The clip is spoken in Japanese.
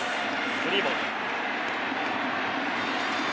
スリーボール。